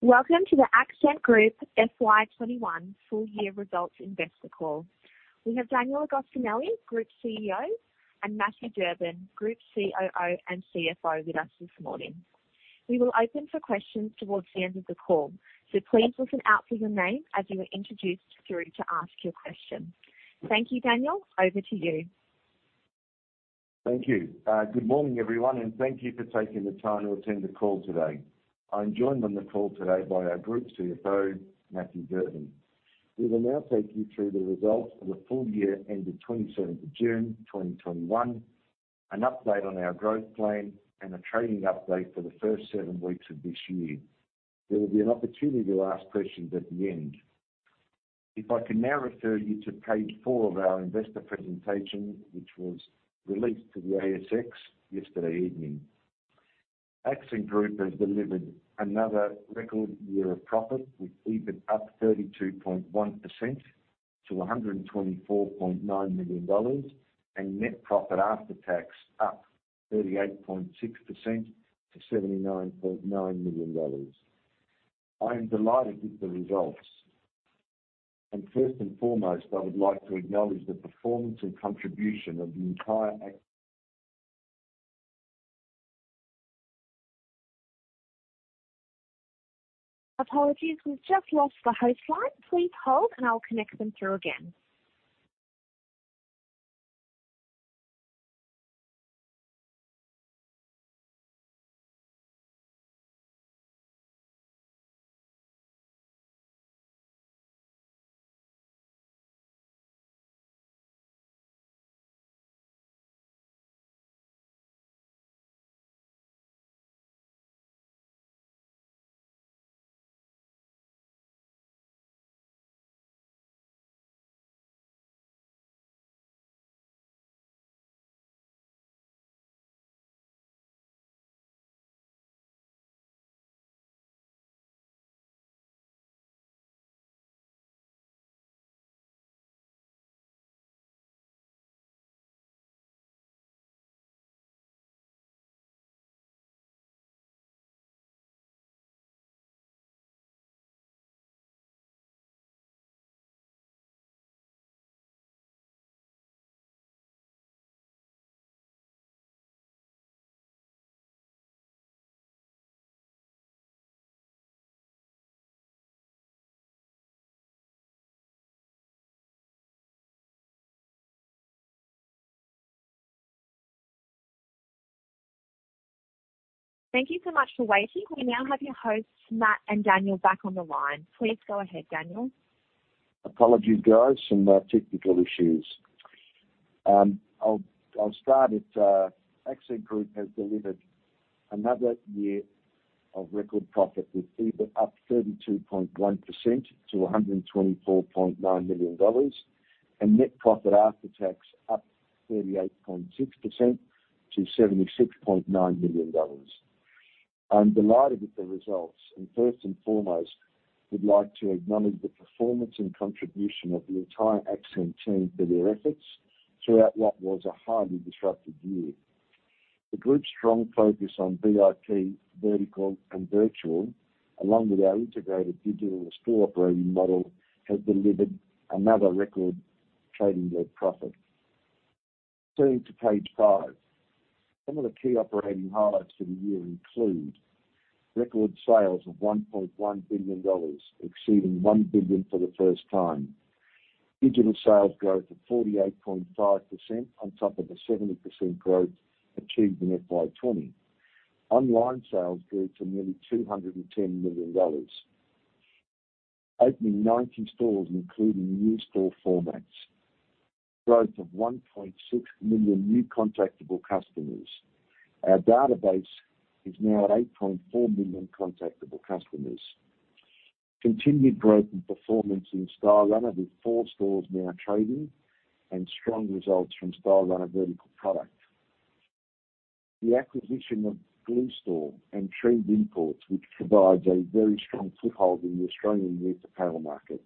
Welcome to the Accent Group FY 2021 full year results investor call. We have Daniel Agostinelli, Group CEO, and Matthew Durbin, Group COO and CFO with us this morning. We will open for questions towards the end of the call. Please listen out for your name as you are introduced through to ask your question. Thank you, Daniel. Over to you. Thank you. Good morning, everyone, and thank you for taking the time to attend the call today. I am joined on the call today by our Group COO, Matthew Durbin. We will now take you through the results for the full year ended June 27, 2021, an update on our growth plan, and a trading update for the first seven weeks of this year. There will be an opportunity to ask questions at the end. If I can now refer you to page four of our investor presentation, which was released to the ASX yesterday evening. Accent Group has delivered another record year of profit, with EBIT up 32.1% to 124.9 million dollars and net profit after tax up 38.6% to 79.9 million dollars. I am delighted with the results. First and foremost, I would like to acknowledge the performance and contribution of the entire Accent Group. Apologies. We've just lost the host line. Please hold and I'll connect them through again. Thank you so much for waiting. We now have your hosts, Matt and Daniel, back on the line. Please go ahead, Daniel. Apologies, guys. Some technical issues. I'll start it. Accent Group has delivered another year of record profit, with EBIT up 32.1% to 124.9 million dollars and net profit after tax up 38.6% to 76.9 million dollars. I'm delighted with the results, and first and foremost, would like to acknowledge the performance and contribution of the entire Accent team for their efforts throughout what was a highly disruptive year. The group's strong focus on VIP, vertical and virtual, along with our integrated digital store operating model, has delivered another record trading profit. Turning to page five. Some of the key operating highlights for the year include record sales of 1.1 billion dollars, exceeding 1 billion for the first time. Digital sales growth of 48.5% on top of the 70% growth achieved in FY 2020. Online sales grew to nearly 210 million dollars. Opening 19 stores, including new store formats. Growth of 1.6 million new contactable customers. Our database is now at 8.4 million contactable customers. Continued growth and performance in Stylerunner, with four stores now trading and strong results from Stylerunner vertical product. The acquisition of Glue Store and Trend Imports, which provides a very strong foothold in the Australian youth apparel market,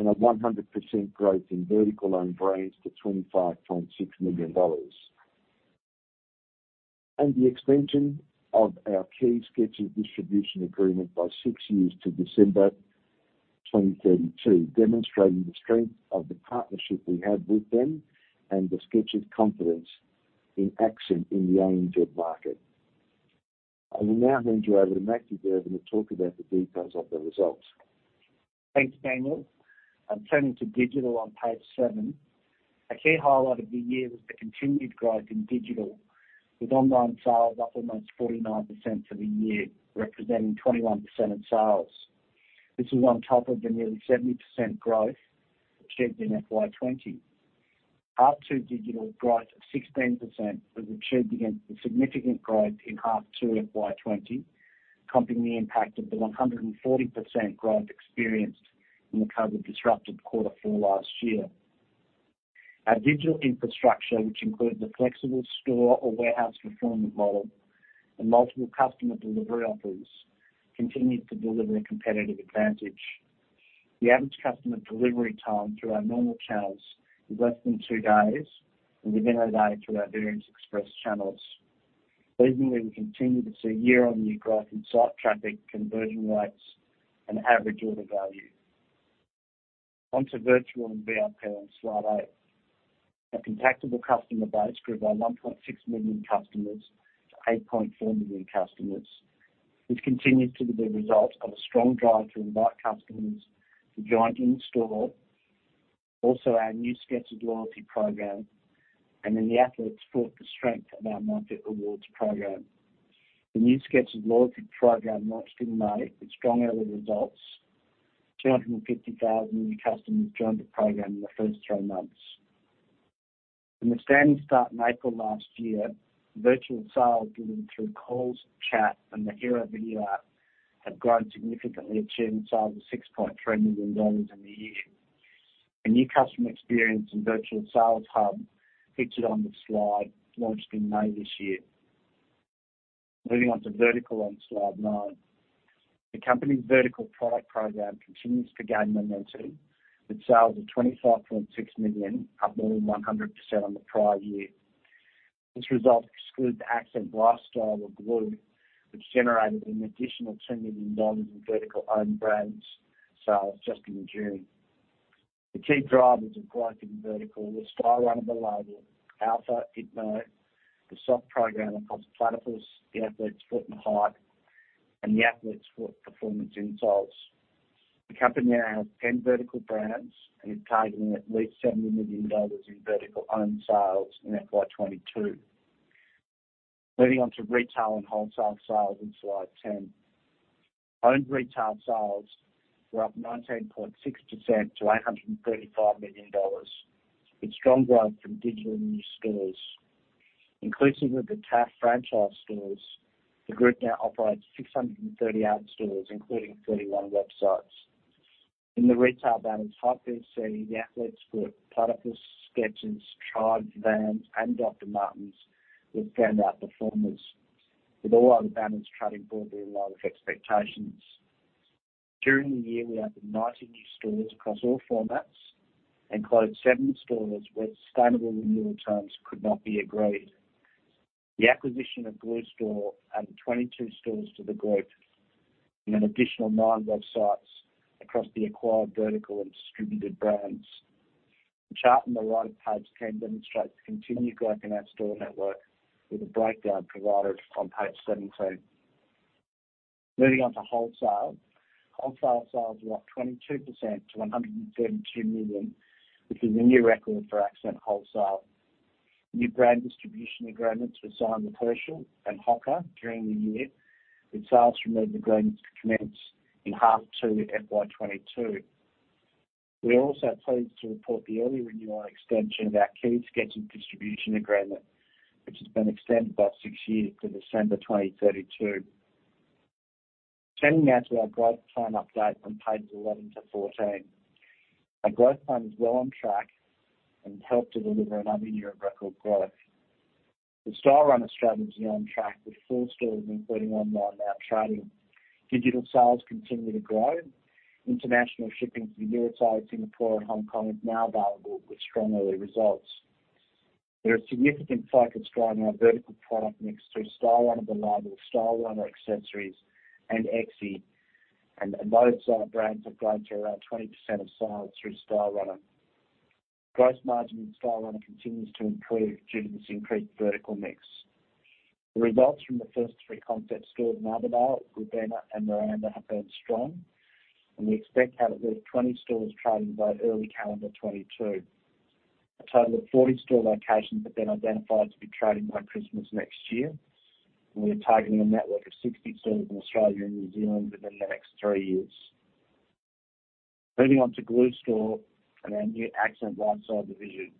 and a 100% growth in vertical own brands to 25.6 million dollars. The extension of our key Skechers distribution agreement by six years to December 2032, demonstrating the strength of the partnership we have with them and the Skechers' confidence in Accent in the owned market. I will now hand you over to Matthew Durbin to talk about the details of the results. Thanks, Daniel. I'm turning to digital on page seven. A key highlight of the year was the continued growth in digital, with online sales up almost 49% for the year, representing 21% of sales. This is on top of the nearly 70% growth achieved in FY 2020. Part two digital growth of 16% has achieved against the significant growth in half 2 FY 2020, comping the impact of the 140% growth experienced in the COVID-19-disrupted quarter four last year. Our digital infrastructure, which includes a flexible store or warehouse fulfillment model and multiple customer delivery options, continued to deliver a competitive advantage. The average customer delivery time through our normal channels is less than two days, and within one day through our various express channels. Seasonally, we continue to see year-on-year growth in site traffic, conversion rates, and average order value. Onto virtual and VIP on slide eight. Our contactable customer base grew by 1.6 million customers to 8.4 million customers. This continues to be the result of a strong drive to invite customers to join in-store. Our new Skechers loyalty program, The Athlete's Foot, the strength of our MyFit Rewards program. The new Skechers loyalty program launched in May with strong early results, 250,000 new customers joined the program in the first three months. From a standing start in April last year, virtual sales driven through calls, chat, and the Hero video app have grown significantly, achieving sales of 6.3 million dollars in the year. A new customer experience and virtual sales hub, featured on this slide, launched in May this year. Moving on to vertical on slide nine. The company's vertical product program continues to gain momentum, with sales of 25.6 million, up more than 100% on the prior year. This result excludes the Accent Lifestyle of Glue, which generated an additional 2 million in vertical-owned brands sales just in June. The key drivers of growth in vertical were Stylerunner The Label, Alpha, Ipno, the sock program across Platypus, The Athlete's Foot, and Hype, and The Athlete's Foot performance insoles. The company now has 10 vertical brands and is targeting at least 70 million dollars in vertical owned sales in FY 2022. Moving on to retail and wholesale sales on slide 10. Owned retail sales were up 19.6% to 835 million dollars, with strong growth from digital new stores. Inclusive of the TAF franchise stores, the group now operates 638 stores, including 31 websites. In the retail banners, Hype DC, The Athlete's Foot, Platypus, Skechers, The Trybe, Vans, and Dr. Martens were stand-out performers, with all other banners trading broadly in line with expectations. During the year, we opened 90 new stores across all formats and closed seven stores where sustainable renewal terms could not be agreed. The acquisition of Glue Store added 22 stores to the group and an additional nine websites across the acquired vertical and distributed brands. The chart on the right of page 10 demonstrates the continued growth in our store network with a breakdown provided on page 17. Moving on to wholesale. Wholesale sales were up 22% to 132 million, which is a new record for Accent Wholesale. New brand distribution agreements were signed with Herschel and Hoka during the year, with sales from those agreements to commence in half 2 FY 2022. We are also pleased to report the early renewal and extension of our key Skechers distribution agreement, which has been extended by six years to December 2032. Turning now to our growth plan update on pages 11 to 14. Our growth plan is well on track and helped to deliver another year of record growth. The Stylerunner strategy is on track, with four stores, including online, now trading. Digital sales continue to grow. International shipping to the USA, Singapore, and Hong Kong is now available with strong early results. There is significant focus driving our vertical product mix through Stylerunner The Label, Stylerunner The Label Accessories, and Exie. Those brands have grown to around 20% of sales through Stylerunner. Gross margin in Stylerunner continues to improve due to this increased vertical mix. The results from the first three concept stores in Armadale, Robina, and Miranda have been strong, and we expect to have at least 20 stores trading by early calendar 2022. A total of 40 store locations have been identified to be trading by Christmas next year, and we are targeting a network of 60 stores in Australia and New Zealand within the next three years. Moving on to Glue Store and our new Accent Lifestyle division.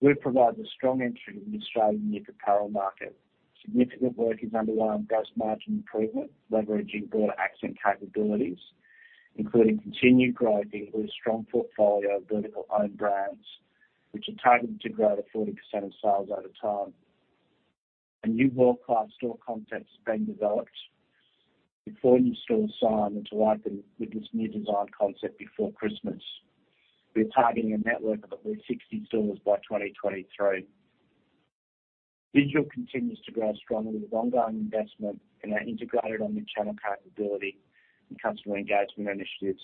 Glue provides a strong entry to the Australian apparel market. Significant work is underway on gross margin improvement, leveraging broader Accent capabilities, including continued growth in Glue's strong portfolio of vertical-owned brands, which are targeted to grow to 40% of sales over time. A new world-class store concept has been developed, with four new stores signed and to open with this new design concept before Christmas. We're targeting a network of at least 60 stores by 2023. Digital continues to grow strongly with ongoing investment in our integrated omnichannel capability and customer engagement initiatives.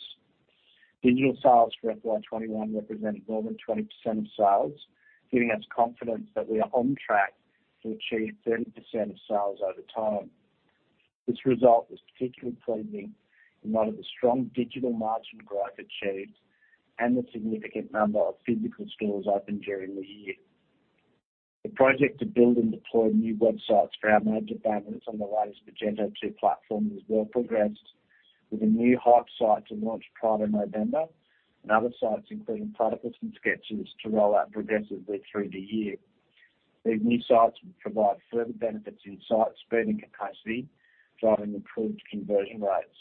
Digital sales for FY 2021 represented more than 20% of sales, giving us confidence that we are on track to achieve 30% of sales over time. This result was particularly pleasing in light of the strong digital margin growth achieved and the significant number of physical stores opened during the year. The project to build and deploy new websites for our major banners on the latest Magento two platform is well progressed, with a new Hype site to launch prior to November and other sites, including Platypus and Skechers, to roll out progressively through the year. These new sites will provide further benefits in site speed and capacity, driving improved conversion rates.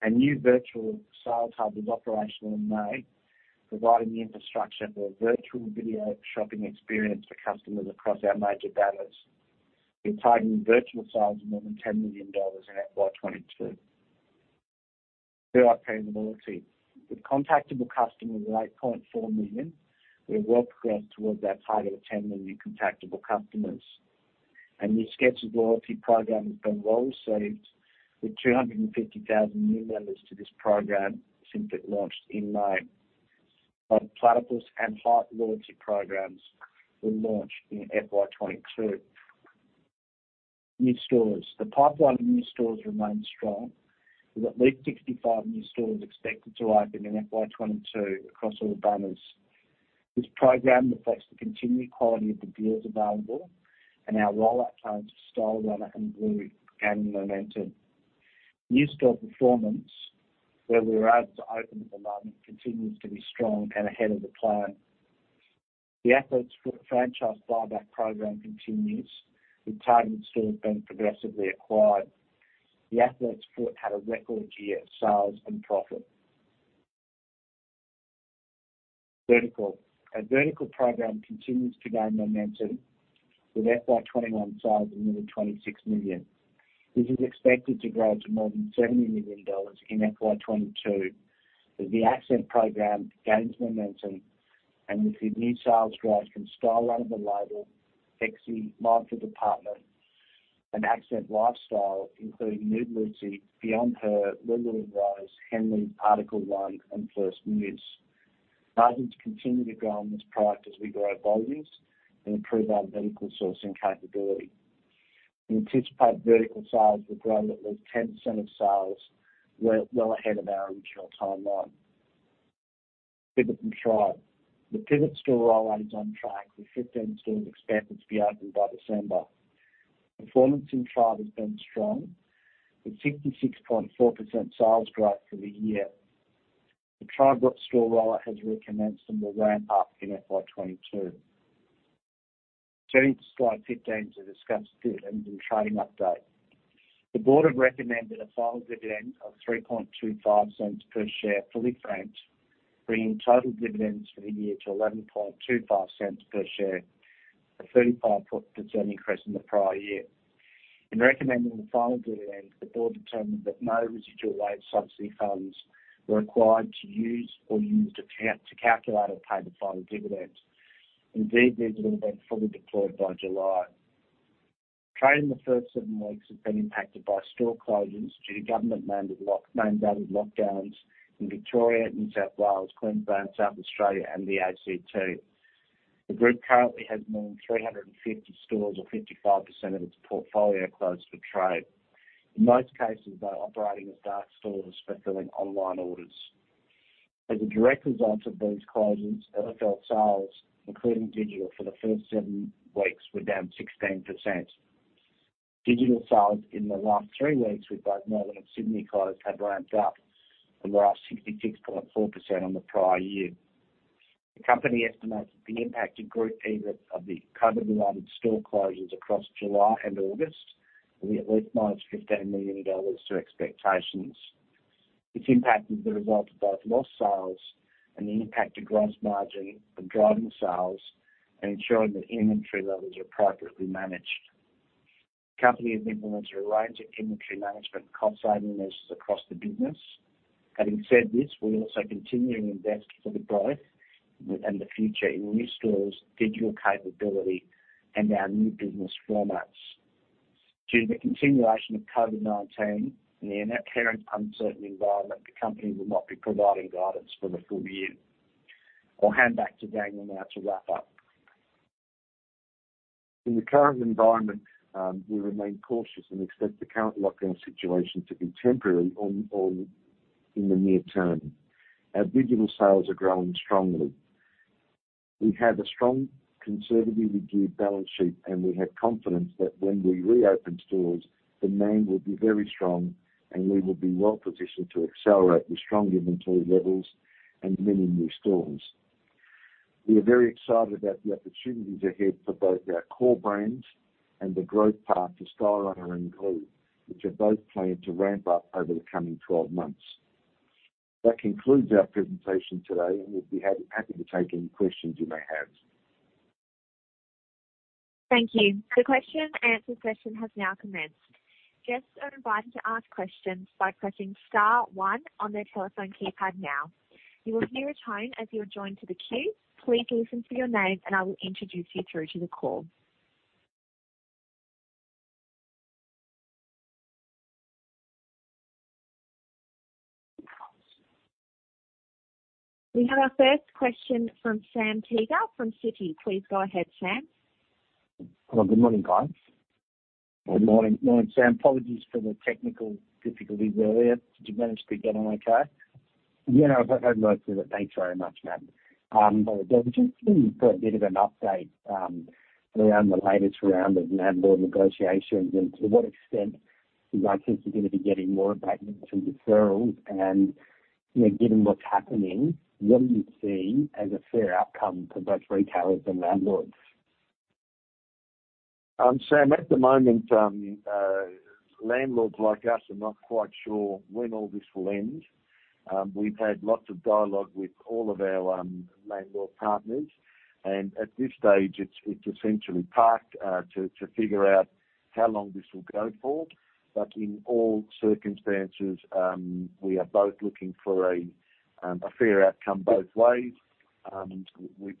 A new virtual sales hub was operational in May, providing the infrastructure for a virtual video shopping experience for customers across our major banners. We're targeting vertical sales of more than 10 million dollars in FY 2022. VIP loyalty. With contactable customers at 8.4 million, we are well progressed towards our target of 10 million contactable customers. The scheduled loyalty program has been well-received, with 250,000 new members to this program since it launched in May. Both Platypus and Hype loyalty programs will launch in FY 2022. New stores. The pipeline of new stores remains strong, with at least 65 new stores expected to open in FY 2022 across all banners. This program reflects the continuing quality of the deals available and our rollout plans for Stylerunner and Glue gaining momentum. New store performance, where we were able to open at the moment, continues to be strong and ahead of the plan. The Athlete's Foot franchise buyback program continues, with target stores being progressively acquired. The Athlete's Foot had a record year of sales and profit. Vertical. Our vertical program continues to gain momentum, with FY21 sales of nearly 26 million. This is expected to grow to more than 70 million dollars in FY22, as the Accent program gains momentum and we see new sales growth from Stylerunner The Label, Exie, Marketplace, and Accent Lifestyle, including Nude Lucy, Beyond Her, Lulu & Rose, Henleys, Article One, and First Muse. Margins continue to grow on this product as we grow volumes and improve our vertical sourcing capability. We anticipate vertical sales will grow at least 10% of sales, well ahead of our original timeline. Pivot and The Trybe. The Pivot store rollout is on track, with 15 stores expected to be open by December. Performance in The Trybe has been strong, with 66.4% sales growth for the year. The Trybe store rollout has recommenced and will ramp up in FY22. Turning to slide 15 to discuss dividends and trading update. The board have recommended a final dividend of 0.0325 per share, fully franked, bringing total dividends for the year to 0.1125 per share, a 35.7% increase from the prior year. In recommending the final dividend, the board determined that no residual WAVES sub C funds were required to use or used to calculate or pay the final dividend. Indeed, these will have been fully deployed by July. Trade in the first seven weeks has been impacted by store closures due to government-mandated lockdowns in Victoria, New South Wales, Queensland, South Australia, and the A.C.T. The group currently has more than 350 stores or 55% of its portfolio closed for trade. In most cases, they are operating as dark stores fulfilling online orders. As a direct result of these closures, LFL sales, including digital for the first seven weeks, were down 16%. Digital sales in the last three weeks with both Melbourne and Sydney closed have ramped up and were up 66.4% on the prior year. The company estimates that the impact to group EBIT of the COVID-related store closures across July and August will be at least -15 million dollars to expectations. This impact is the result of both lost sales and the impact to gross margin from driving sales and ensuring that inventory levels are appropriately managed. The company has implemented a range of inventory management and cost-saving measures across the business. Having said this, we are also continuing to invest for the growth and the future in new stores, digital capability, and our new business formats. Due to the continuation of COVID-19 and the inherent uncertain environment, the company will not be providing guidance for the full year. I'll hand back to Daniel now to wrap up. In the current environment, we remain cautious and expect the current lockdown situation to be temporary in the near term. Our digital sales are growing strongly. We have a strong, conservatively geared balance sheet, and we have confidence that when we reopen stores, demand will be very strong, and we will be well-positioned to accelerate with strong inventory levels and many new stores. We are very excited about the opportunities ahead for both our core brands and the growth path to Stylerunner and Glue, which are both planned to ramp up over the coming 12 months. That concludes our presentation today, and we'll be happy to take any questions you may have. Thank you. The question and answer session has now commenced. We have our first question from Sam Teeger from Citi. Please go ahead, Sam. Well, good morning, guys. Good morning, Sam. Apologies for the technical difficulties earlier. Did you manage to get in okay? Yeah, I got most of it. Thanks very much, man. By the way, David, can we get a bit of an update around the latest round of landlord negotiations? To what extent do you guys think you're going to be getting more abatement from deferrals and, given what's happening, what do you see as a fair outcome for both retailers and landlords? Sam, at the moment, landlords like us are not quite sure when all this will end. We've had lots of dialogue with all of our landlord partners, and at this stage, it's essentially parked to figure out how long this will go for. In all circumstances, we are both looking for a fair outcome both ways.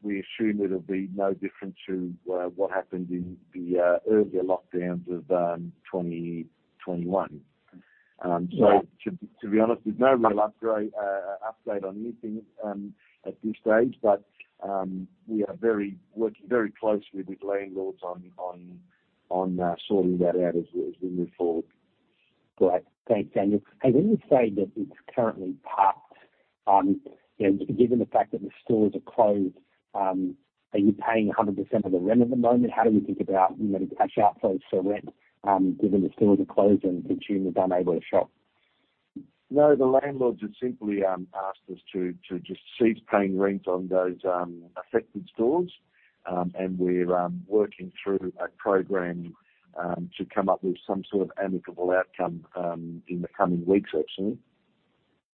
We assume it'll be no different to what happened in the earlier lockdowns of 2021. Yeah. To be honest, there's no real update on anything at this stage. We are working very closely with landlords on sorting that out as we move forward. Great. Thanks, Daniel. When you say that it's currently parked on, given the fact that the stores are closed, are you paying 100% of the rent at the moment? How do we think about cash outflows for rent, given the stores are closed and consumers unable to shop? No, the landlords have simply asked us to just cease paying rent on those affected stores. We're working through a program to come up with some sort of amicable outcome in the coming weeks, actually.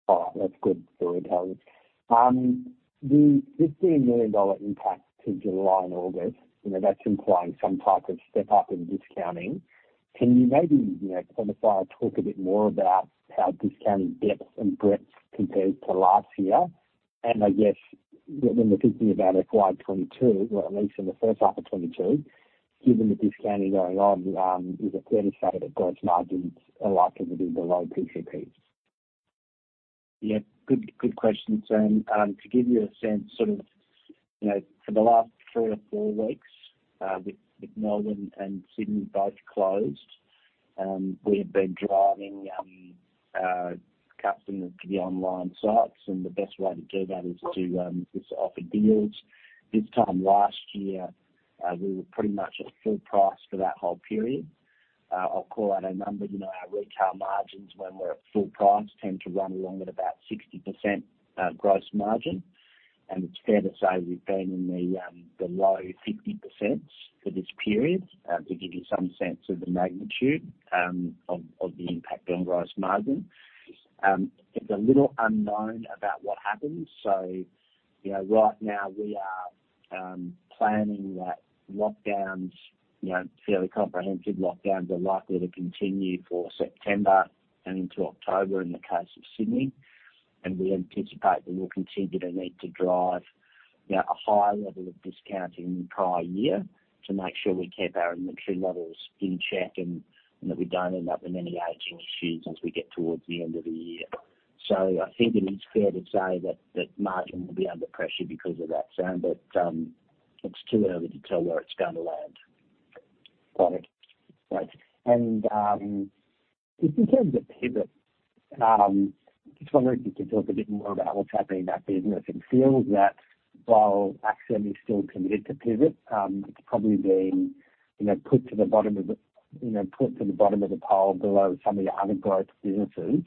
Oh, that's good to hear. The AUD 15 million impact to July and August, that's implying some type of step-up in discounting. Can you maybe quantify or talk a bit more about how discounting depth and breadth compares to last year? I guess when we're thinking about FY 2022, or at least in the first half of 2022, given the discounting going on, is it fair to say that gross margins are likely to be below PCPs? Yeah. Good question, Sam. To give you a sense, for the last three to four weeks, with Melbourne and Sydney both closed, we have been driving customers to the online sites, and the best way to do that is to offer deals. This time last year, we were pretty much at full price for that whole period. I'll call out a number. Our retail margins, when we're at full price, tend to run along at about 60% gross margin. It's fair to say we've been in the low 50% for this period, to give you some sense of the magnitude of the impact on gross margin. It's a little unknown about what happens. Right now we are planning that fairly comprehensive lockdowns are likely to continue for September and into October in the case of Sydney. We anticipate we will continue to need to drive a higher level of discounting in the prior year to make sure we keep our inventory levels in check and that we don't end up with any aging issues as we get towards the end of the year. I think it is fair to say that margin will be under pressure because of that, Sam, but it's too early to tell where it's going to land. Got it. Great. Just in terms of Pivot, just wondering if you could talk a bit more about what's happening in that business. It feels that while Accent is still committed to Pivot, it's probably been put to the bottom of the pile below some of your other growth businesses.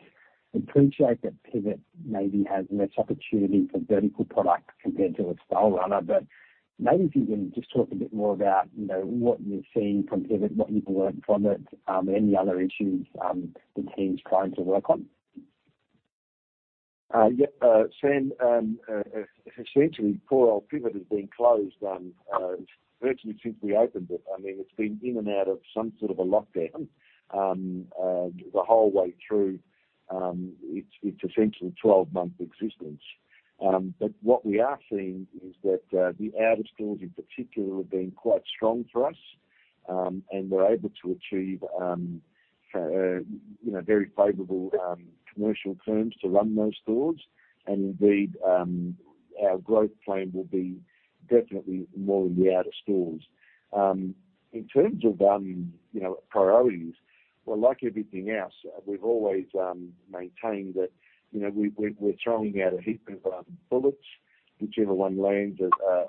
Appreciate that Pivot maybe has less opportunity for vertical products compared to a Stylerunner. Maybe if you can just talk a bit more about what you've seen from Pivot, what you've learned from it, any other issues the team's trying to work on. Yeah. Sam, essentially poor old Pivot has been closed virtually since we opened it. It's been in and out of some sort of a lockdown the whole way through its essentially 12-month existence. What we are seeing is that the outer stores in particular have been quite strong for us, and we are able to achieve very favorable commercial terms to run those stores. Indeed, our growth plan will be definitely more in the outer stores. In terms of priorities, well, like everything else, we have always maintained that we are throwing out a heap of bullets. Whichever one lands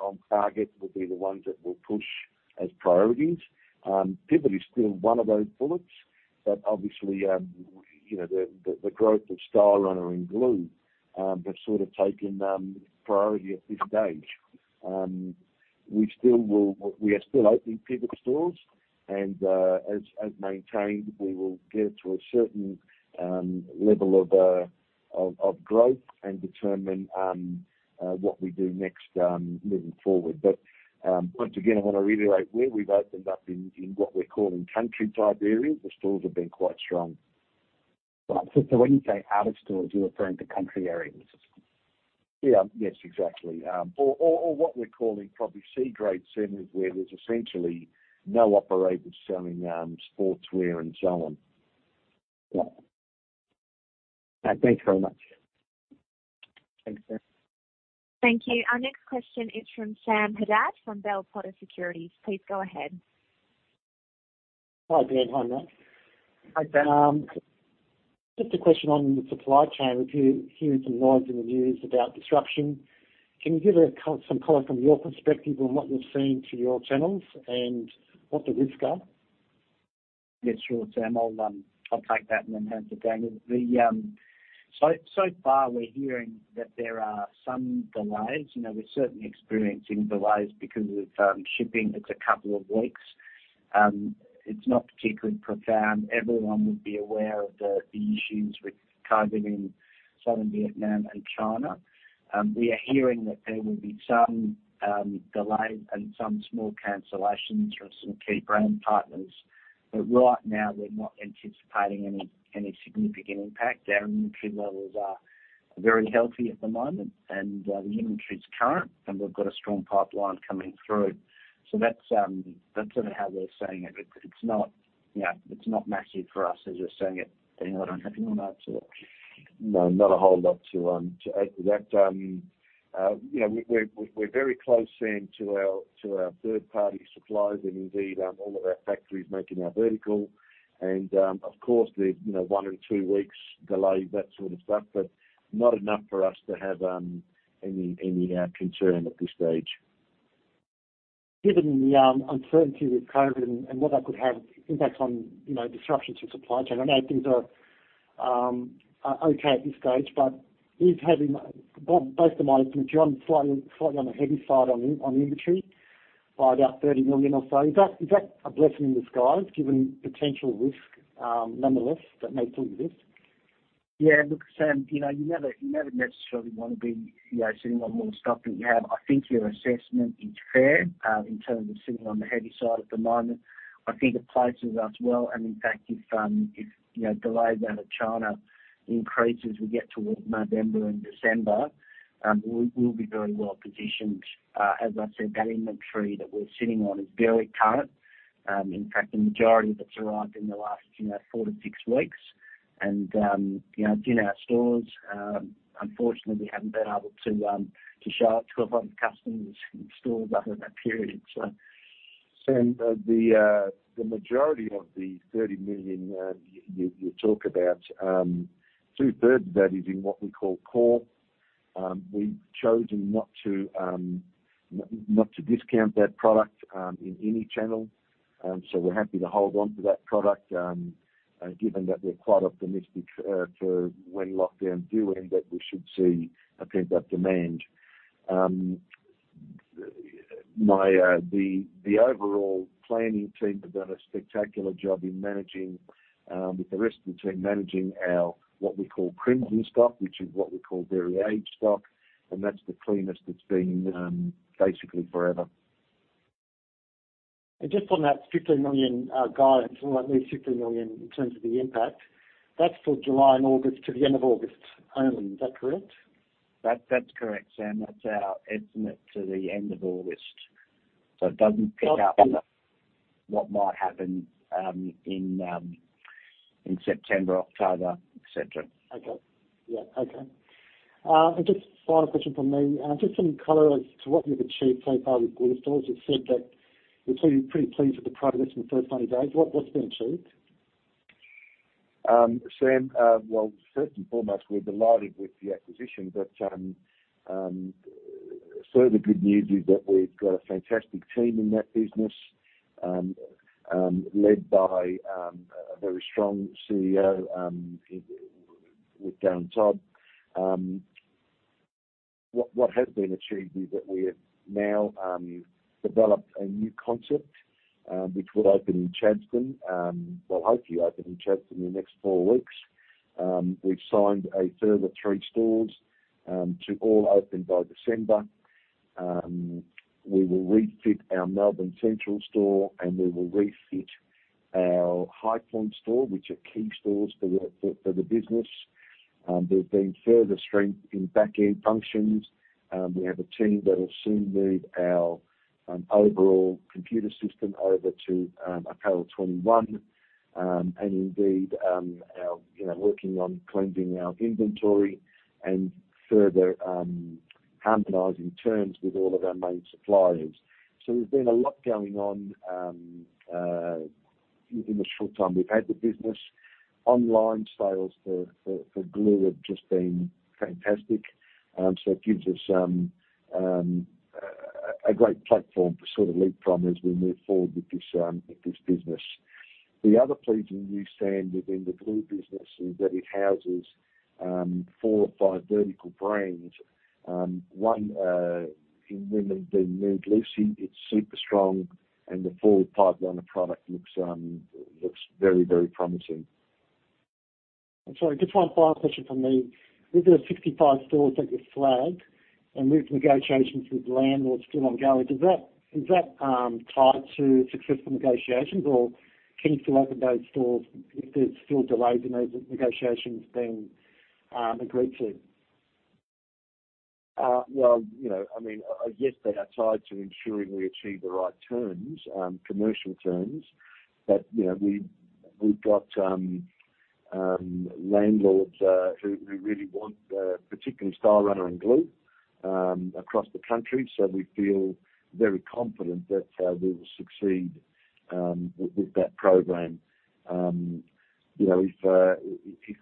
on target will be the ones that we will push as priorities. Pivot is still one of those bullets. Obviously, the growth of Stylerunner and Glue have sort of taken priority at this stage. We are still opening Pivot stores. As maintained, we will get to a certain level of growth and determine what we do next moving forward. Once again, I want to reiterate, where we've opened up in what we're calling country-type areas, the stores have been quite strong. Right. When you say outer stores, you're referring to country areas? Yeah. Yes, exactly. What we're calling probably C-grade centers where there's essentially no operators selling sportswear and so on. Yeah. Thanks very much. Thanks, Sam. Thank you. Our next question is from Sam Haddad from Bell Potter Securities. Please go ahead. Hi, Dan. Hi, Matt. Hi, Sam. Just a question on the supply chain. We're hearing some noise in the news about disruption. Can you give some color from your perspective on what you're seeing through your channels and what the risks are? Yeah, sure, Sam. I'll take that and then hand to Daniel. Far we're hearing that there are some delays. We're certainly experiencing delays because of shipping. It's a couple of weeks. It's not particularly profound. Everyone would be aware of the issues with COVID in Southern Vietnam and China. We are hearing that there will be some delays and some small cancellations with some key brand partners. Right now, we're not anticipating any significant impact. Our inventory levels are very healthy at the moment, and the inventory is current, and we've got a strong pipeline coming through. That's how we're seeing it. It's not massive for us, as you're seeing it, Daniel. I don't know. Do you want to add to that? No, not a whole lot to add to that. We're very close, Sam, to our third-party suppliers and indeed, all of our factories making our vertical. Of course, there's one or two weeks delay, that sort of stuff, but not enough for us to have any concern at this stage. Given the uncertainty with COVID and what that could have impact on disruptions to the supply chain. I know things are okay at this stage, but you've had, both to my estimate, John, slightly on the heavy side on inventory by about 30 million or so. Is that a blessing in disguise, given the potential risk nonetheless that may still exist? Yeah. Look, Sam, you never necessarily want to be sitting on more stock than you have. I think your assessment is fair in terms of sitting on the heavy side at the moment. I think it places us well, and in fact, if delays out of China increase as we get towards November and December, we'll be very well-positioned. As I said, that inventory that we're sitting on is very current. In fact, the majority of it's arrived in the last four to six weeks, and it's in our stores. Unfortunately, we haven't been able to show it to a lot of customers in stores over that period. The majority of the 30 million you talk about, two-thirds of that is in what we call core. We've chosen not to discount that product in any channel. We're happy to hold on to that product, given that we're quite optimistic to when lockdowns do end, that we should see a pent-up demand. The overall planning team have done a spectacular job with the rest of the team, managing our, what we call crimson stock, which is what we call very aged stock, and that's the cleanest it's been basically forever. Just on that 15 million guidance, or that new 15 million in terms of the impact, that's for July and August to the end of August only. Is that correct? That's correct, Sam. That's our estimate to the end of August. It doesn't pick up- Okay. What might happen in September, October, et cetera. Okay. Yeah. Okay. Just final question from me. Just some color as to what you've achieved so far with Glue Store. You've said that you're pretty pleased with the progress in the first 90 days. What's been achieved? Sam, well, first and foremost, we're delighted with the acquisition. Certainly, good news is that we've got a fantastic team in that business, led by a very strong CEO, with Darren Todd. What has been achieved is that we have now developed a new concept, which will open in Chadstone. Well, hopefully open in Chadstone in the next four weeks. We've signed a further three stores to all open by December. We will refit our Melbourne Central store, and we will refit our Highpoint store, which are key stores for the business. There's been further strength in back-end functions. We have a team that will soon move our overall computer system over to Apparel21, and indeed, working on cleansing our inventory and further harmonizing terms with all of our main suppliers. There's been a lot going on in the short time we've had the business. Online sales for Glue have just been fantastic. It gives us a great platform to leap from as we move forward with this business. The other pleasing news, Sam, within the Glue business is that it houses four or five vertical brands. One in women being Nude Lucy, it's super strong and the forward pipeline of product looks very promising. Sorry, just one final question from me. With the 65 stores that you flagged and with negotiations with landlords still ongoing, is that tied to successful negotiations, or can you still open those stores if there's still delays in those negotiations being agreed to? Yes, they are tied to ensuring we achieve the right terms, commercial terms. We've got landlords who really want, particularly Stylerunner and Glue, across the country. We feel very confident that we will succeed with that program. If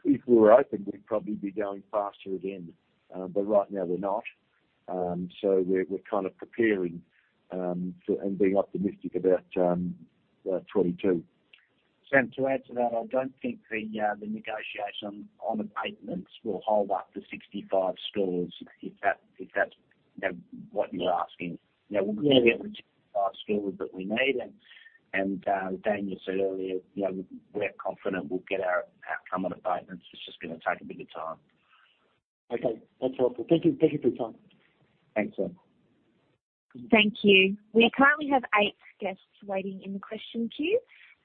we were open, we'd probably be going faster again. Right now we're not. We're kind of preparing and being optimistic about 2022. Sam, to add to that, I don't think the negotiation on the payments will hold up the 65 stores if that's what you're asking. We're going to get the 65 stores that we need and, Daniel said earlier, we're confident we'll get our outcome on the payments. It's just going to take a bit of time. Okay. That's helpful. Thank you for your time. Thanks, Sam. Thank you. We currently have eight guests waiting in the question queue.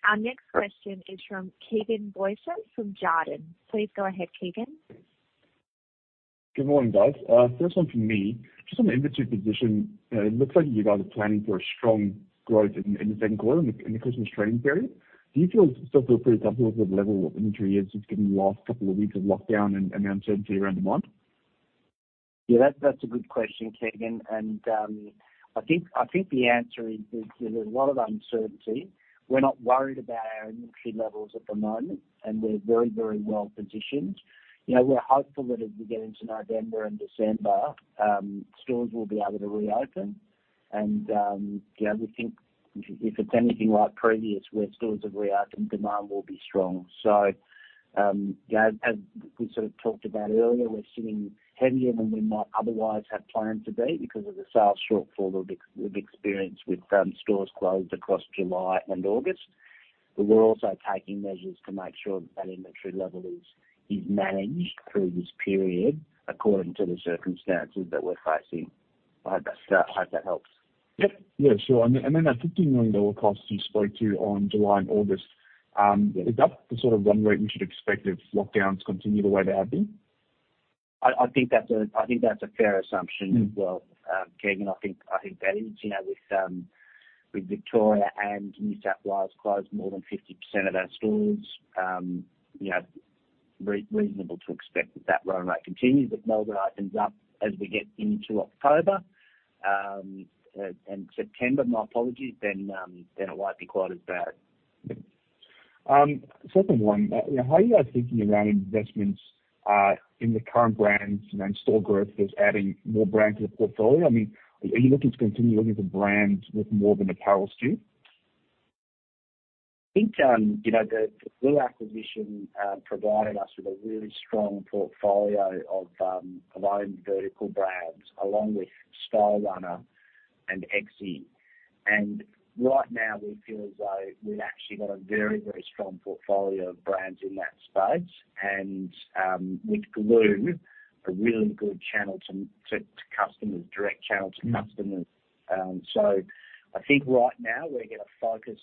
Our next question is from Keegan Booysen from Jarden. Please go ahead, Keegan. Good morning, guys. First one from me. Just on the inventory position, it looks like you guys are planning for a strong growth in the second quarter, in the Christmas trading period. Do you still feel pretty comfortable with the level of inventory is, just given the last couple of weeks of lockdown and uncertainty around demand? Yeah, that's a good question, Keegan. I think the answer is there's a lot of uncertainty. We're not worried about our inventory levels at the moment, and we're very well positioned. We're hopeful that as we get into November and December, stores will be able to reopen. We think if it's anything like previous where stores have reopened, demand will be strong. As we sort of talked about earlier, we're sitting heavier than we might otherwise have planned to be because of the sales shortfall that we've experienced with stores closed across July and August. We're also taking measures to make sure that that inventory level is managed through this period according to the circumstances that we're facing. I hope that helps. Yep. Yeah, sure. That 15 million dollar cost you spoke to on July and August, is that the sort of run rate we should expect if lockdowns continue the way they have been? I think that's a fair assumption as well, Keegan. I think that is. With Victoria and New South Wales closed more than 50% of our stores, reasonable to expect that that run rate continues. If Melbourne opens up as we get into October, and September, my apologies, then it won't be quite as bad. Second one. How are you guys thinking around investments in the current brands and store growth versus adding more brands to the portfolio? Are you looking to continue looking for brands with more of an apparel skew? I think, the Glue acquisition provided us with a really strong portfolio of owned vertical brands, along with Stylerunner and Exie. Right now we feel as though we've actually got a very strong portfolio of brands in that space and, with Glue, a really good direct channel to customers. I think right now we're going to focus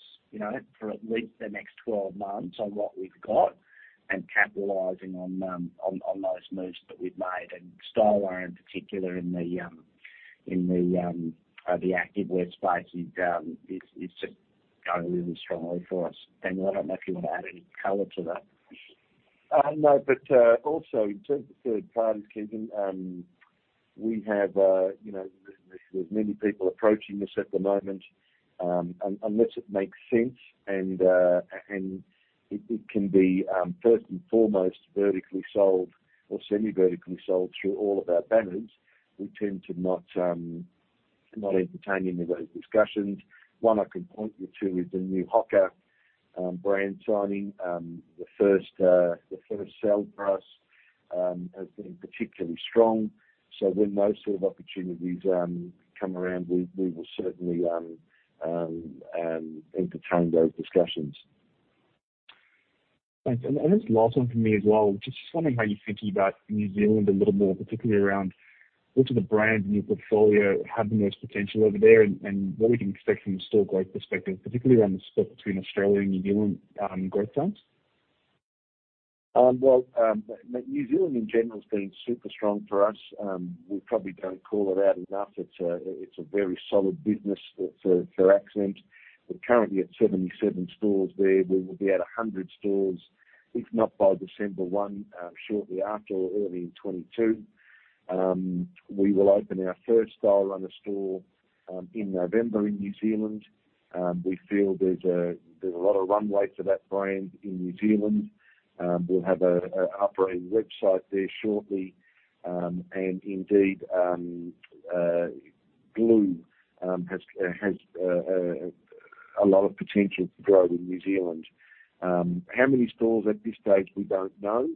for at least the next 12 months on what we've got and capitalizing on those moves that we've made. Stylerunner in particular in the activewear space is just going really strongly for us. Daniel, I don't know if you want to add any color to that. No, also in terms of third parties, Keegan, there's many people approaching us at the moment. Unless it makes sense and it can be, first and foremost, vertically sold or semi-vertically sold through all of our banners, we tend to not entertain any of those discussions. One I can point you to is the new Hoka brand signing. The first sale for us has been particularly strong. When those sort of opportunities come around, we will certainly entertain those discussions. Thanks. I guess last one from me as well, just wondering how you're thinking about New Zealand a little more, particularly around which of the brands in your portfolio have the most potential over there and what we can expect from a store growth perspective, particularly around the split between Australia and New Zealand growth terms. New Zealand in general has been super strong for us. It's a very solid business for Accent. We're currently at 77 stores there. We will be at 100 stores, if not by December 1, shortly after or early in 2022. We will open our first Stylerunner store in November in New Zealand. We feel there's a lot of runway for that brand in New Zealand. We'll have an operating website there shortly. Indeed, Glue has a lot of potential to grow in New Zealand. How many stores at this stage, we don't know.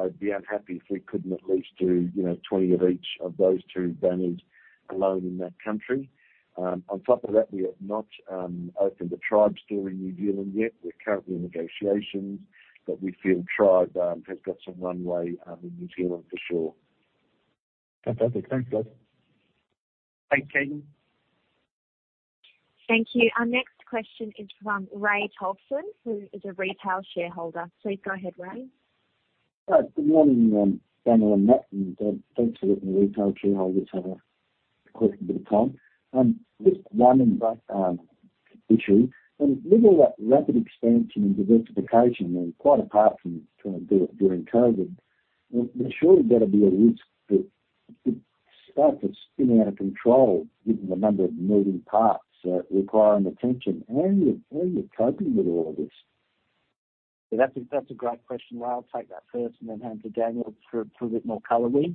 I'd be unhappy if we couldn't at least do 20 of each of those two banners alone in that country. On top of that, we have not opened a The Trybe store in New Zealand yet. We're currently in negotiations, but we feel The Trybe has got some runway in New Zealand for sure. Fantastic. Thanks, guys. Thanks, Keegan. Thank you. Our next question is from Ray Tolson, who is a retail shareholder. Please go ahead, Ray. Good morning, Daniel and Matt. Thanks for letting the retail shareholders have a question at a time. Just one issue. With all that rapid expansion and diversification, and quite apart from trying to do it during COVID, there's surely got to be a risk that stuff could spin out of control given the number of moving parts requiring attention. How are you coping with all of this? That's a great question. I'll take that first and then hand to Daniel for a bit more color. We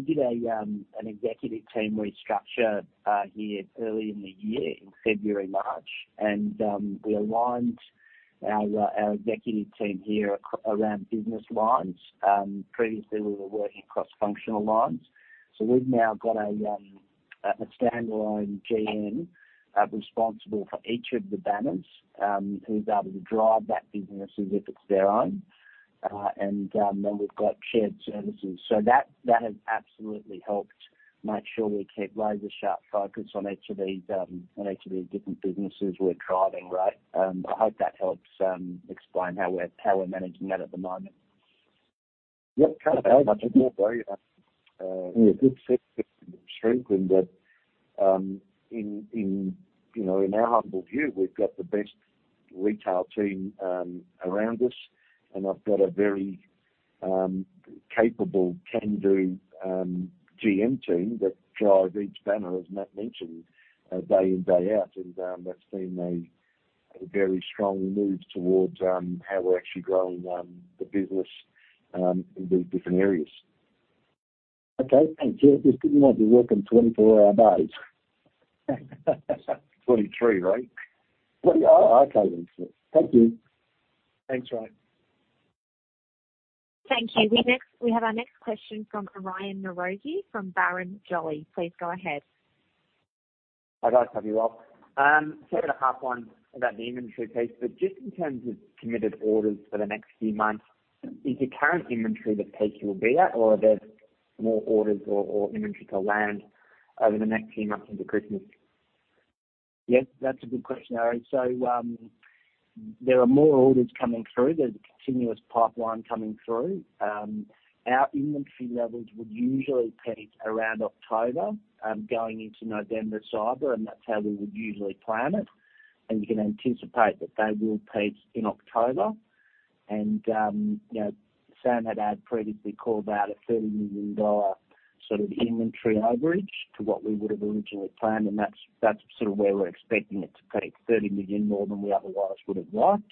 did an executive team restructure here early in the year, in February, March, and we aligned our executive team here around business lines. Previously, we were working across functional lines. We've now got a standalone GM responsible for each of the banners who's able to drive that business as if it's their own. Then we've got shared services. That has absolutely helped make sure we keep laser-sharp focus on each of these different businesses we're driving. I hope that helps explain how we're managing that at the moment. Yep. Can I add much more, Brian? A good strength in that. In our humble view, we've got the best retail team around us, and I've got a very capable can-do GM team that drive each banner, as Matt mentioned, day in, day out. That's been a very strong move towards how we're actually growing the business in these different areas. Okay. Thank you. You might be working 24-hour days. 23, right? Okay then. Thank you. Thanks, Arianne Niji. Thank you. We have our next question from Arianne Niji, from Barrenjoey. Please go ahead. Hi, guys. Hope you're well. I have one about the inventory piece, but just in terms of committed orders for the next few months, is it current inventory the peak you will be at, or are there more orders or inventory to land over the next few months into Christmas? That's a good question, Arianne Niji. There are more orders coming through. There's a continuous pipeline coming through. Our inventory levels would usually peak around October, going into November cyber, and that's how we would usually plan it. You can anticipate that they will peak in October. Sam Haddad previously called out an 30 million dollar inventory overage to what we would have originally planned, and that's where we're expecting it to peak, 30 million more than we otherwise would have liked.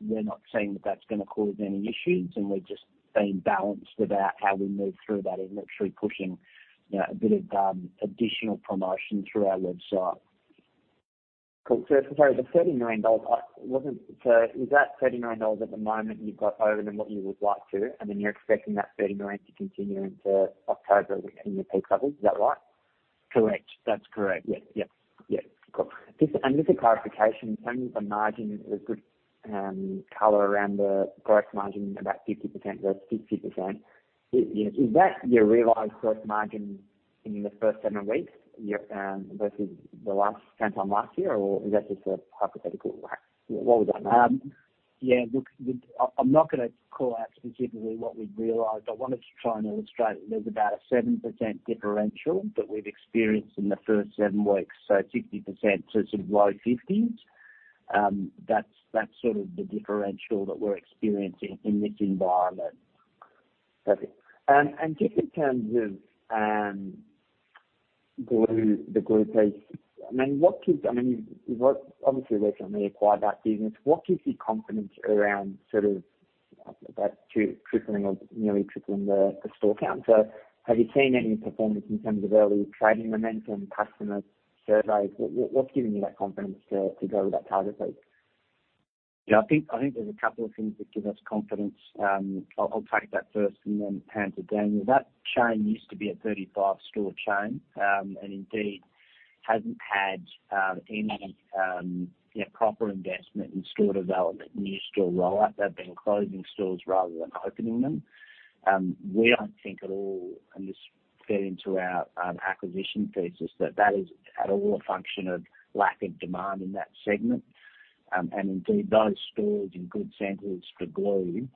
We're not saying that that's going to cause any issues, and we've just been balanced about how we move through that inventory, pushing a bit of additional promotion through our website. Cool. sorry, the 30 million dollars, is that 30 million dollars at the moment you've got over than what you would like to, and then you're expecting that 30 million to continue into October in your peak levels? Is that right? Correct. That's correct. Yep. Cool. Just a clarification, in terms of the margin, the good color around the gross margin, about 50% versus 60%. Is that your realized gross margin in the first seven weeks versus the same time last year, or is that just a hypothetical? What was that, Matt? Yeah. Look, I'm not going to call out specifically what we've realized. I wanted to try and illustrate there's about a 7% differential that we've experienced in the first seven weeks. 60% to low 50s. That's the differential that we're experiencing in this environment. Perfect. Just in terms of the Glue piece, obviously you recently acquired that business. What gives you confidence around tripling or nearly tripling the store count? Have you seen any performance in terms of early trading momentum, customer surveys? What's giving you that confidence to go to that target date? I think there's a couple of things that give us confidence. I'll take that first and then hand to Daniel. That chain used to be a 35-store chain. Indeed, hasn't had any proper investment in store development, new store rollout. They've been closing stores rather than opening them. We don't think at all, this fed into our acquisition thesis, that that is at all a function of lack of demand in that segment. Indeed, those stores in good centers for Glue,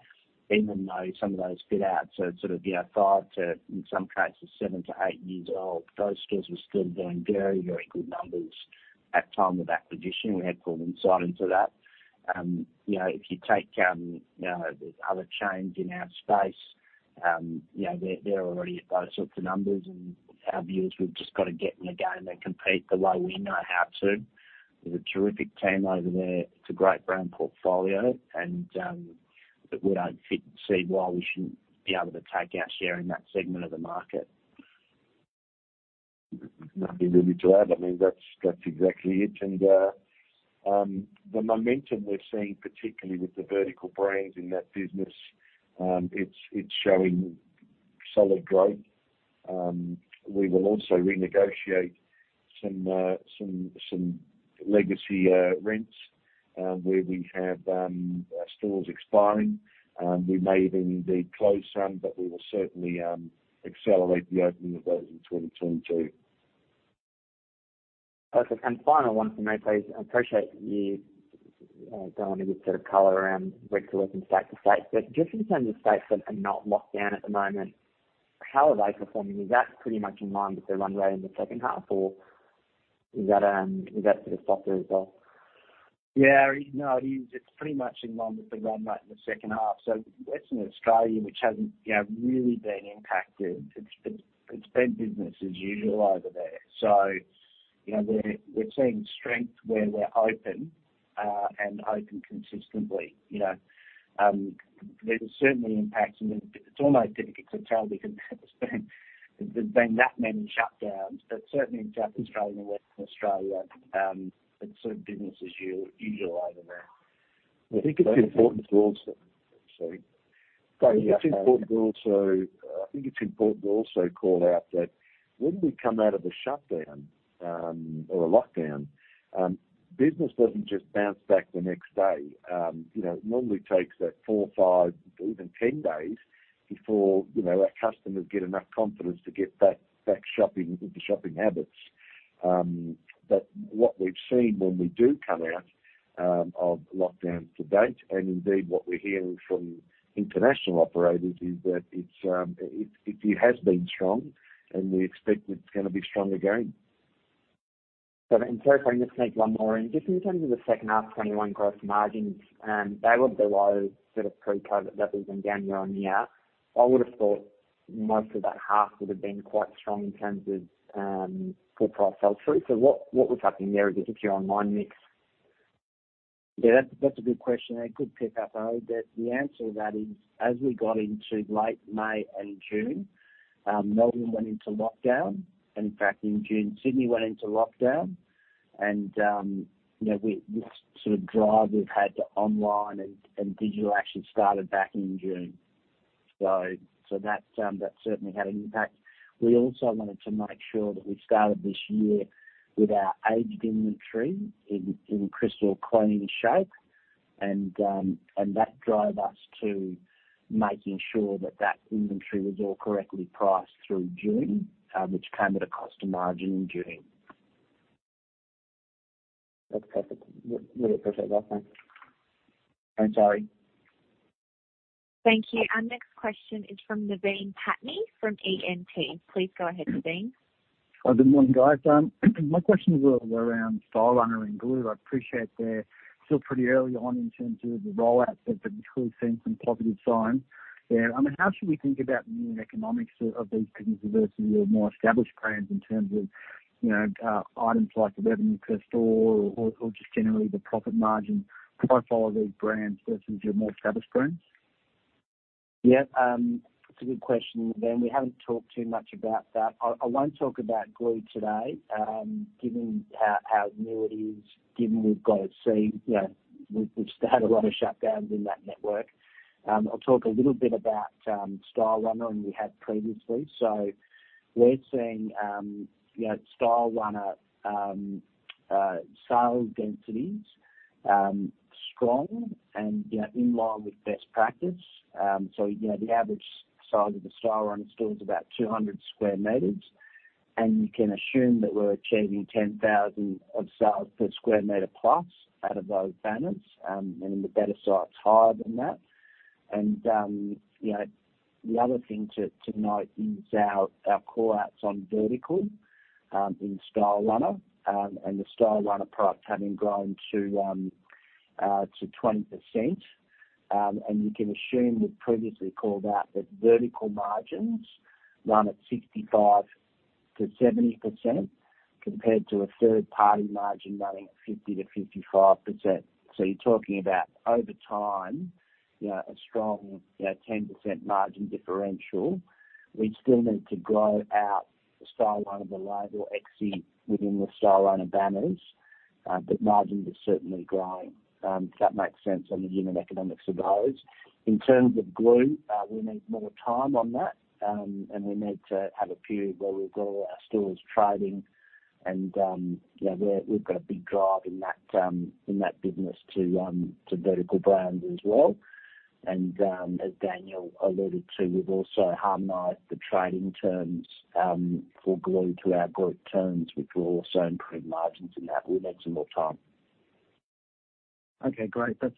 even though some of those fit out. It's five to, in some cases, seven to eight years old. Those stores were still doing very, very good numbers at time of acquisition. We had full insight into that. If you take the other chains in our space, they're already at those sorts of numbers. Our view is we've just got to get in the game and compete the way we know how to. There's a terrific team over there. It's a great brand portfolio, and we don't see why we shouldn't be able to take our share in that segment of the market. Nothing really to add. I mean, that's exactly it. The momentum we're seeing, particularly with the vertical brands in that business, it's showing solid growth. We will also renegotiate some legacy rents where we have our stores expiring. We may even indeed close some, but we will certainly accelerate the opening of those in 2022. Perfect. Final one for me, please. I appreciate that you don't want to give color around brick-and-mortar from state to state. Just in terms of states that are not locked down at the moment, how are they performing? Is that pretty much in line with the run rate in the second half, or is that softer as well? It's pretty much in line with the run rate in the second half. Western Australia, which hasn't really been impacted, it's been business as usual over there. We're seeing strength where we're open and open consistently. There's certainly impacts, and it's almost difficult to tell because there's been that many shutdowns, but certainly in South Australia and Western Australia, business as usual over there. Sorry. Go ahead, Daniel. I think it's important to also call out that when we come out of a shutdown or a lockdown, business doesn't just bounce back the next day. It normally takes four, five, even 10 days before our customers get enough confidence to get back shopping with the shopping habits. What we've seen when we do come out of lockdown to date, and indeed what we're hearing from international operators is that it has been strong, and we expect it's going to be strong again. Sorry, if I can just sneak one more in. Just in terms of the second half 2021 gross margins, they were below pre-COVID levels and down year-on-year. I would've thought most of that half would've been quite strong in terms of full price sell-through. What was happening there with the Secure Online mix? Yeah, that's a good question there. Good pick-up, though. The answer to that is, as we got into late May and June, Melbourne went into lockdown. In fact, in June, Sydney went into lockdown. This drive we've had to online and digital action started back in June. That certainly had an impact. We also wanted to make sure that we started this year with our aged inventory in crystal clean shape, and that drove us to making sure that inventory was all correctly priced through June, which came at a cost to margin in June. That's perfect. Really appreciate that. Thanks. Sorry. Thank you. Our next question is from Naveen Pattni from E&P. Please go ahead, Naveen. Good morning, guys. My question is around Stylerunner and Glue. I appreciate they're still pretty early on in terms of the rollout, but we've clearly seen some positive signs there. How should we think about the new economics of these businesses versus your more established brands in terms of items like revenue per store or, just generally, the profit margin profile of these brands versus your more established brands? It's a good question, Naveen. We haven't talked too much about that. I won't talk about Glue today, given how new it is, given we've still had a lot of shutdowns in that network. I'll talk a little bit about Stylerunner. We have previously. We're seeing Stylerunner sales densities strong and in line with best practice. The average size of a Stylerunner store is about 200 sq m. You can assume that we're achieving 10,000 of sales per sq m plus out of those banners. In the better sites, higher than that. The other thing to note is our call outs on vertical in Stylerunner, and the Stylerunner products having grown to 20%. You can assume we've previously called out that vertical margins run at 65%-70%, compared to a third-party margin running at 50%-55%. You're talking about, over time, a strong 10% margin differential. We still need to grow out the Stylerunner label Exie within the Stylerunner banners. Margin is certainly growing. If that makes sense on the unit economics of those. In terms of Glue, we need more time on that, and we need to have a period where we've got all our stores trading, and we've got a big drive in that business to vertical brands as well. As Daniel alluded to, we've also harmonized the trading terms for Glue to our group terms, which will also improve margins in that. We need some more time. Okay, great. That's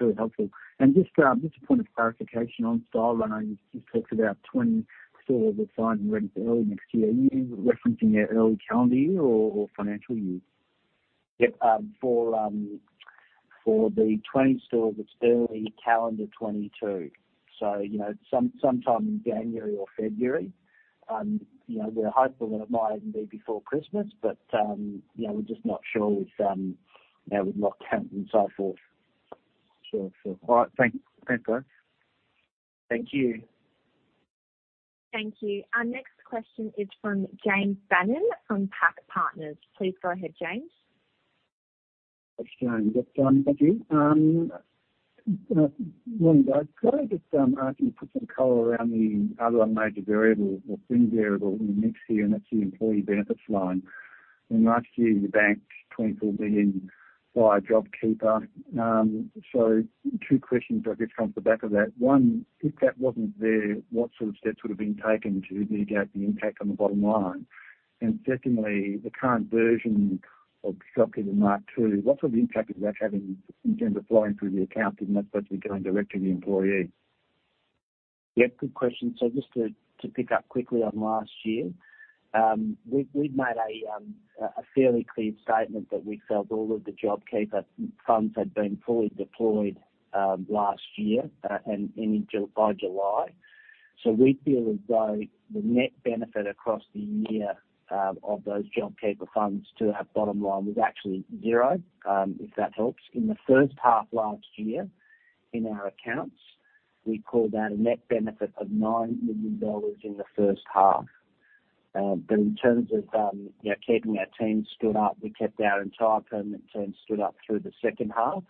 really helpful. Just a point of clarification on Stylerunner. You talked about 20 stores opening early next year. Are you referencing early calendar year or financial year? Yep. For the 20 stores, it's early calendar 2022. Sometime in January or February. We're hopeful that it might even be before Christmas. We're just not sure with lockdowns and so forth. Sure. All right. Thanks, guys. Thank you. Thank you. Our next question is from James Bannon from PAC Partners. Please go ahead, James. It's James. Yes, thank you. Morning, guys. Could I just ask you to put some color around the other major variable or thin variable in the next year, and that's the employee benefits line. Last year, you banked AUD 24 million via JobKeeper. Two questions I guess off the back of that. One, if that wasn't there, what sort of steps would have been taken to mitigate the impact on the bottom line? Secondly, the current version of JobKeeper Mark 2, what sort of impact is that having in terms of flowing through the accounts, given that's supposed to be going directly to the employee? Good question. Just to pick up quickly on last year. We'd made a fairly clear statement that we felt all of the JobKeeper funds had been fully deployed last year and by July. We feel as though the net benefit across the year of those JobKeeper funds to our bottom line was actually zero, if that helps. In the first half last year, in our accounts, we called out a net benefit of 9 million dollars in the first half. In terms of keeping our team stood up, we kept our entire permanent team stood up through the second half,